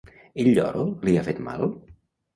El lloro li ha fet mal?